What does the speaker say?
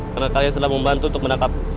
karena kalian selalu membantu untuk menangkap